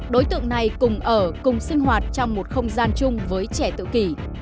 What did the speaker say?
đối tượng này cùng ở cùng sinh hoạt trong một không gian chung với trẻ tự kỷ